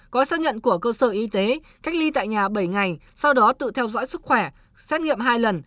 có xác nhận của cơ sở y tế cách ly tại nhà bảy ngày sau đó tự theo dõi sức khỏe xét nghiệm hai lần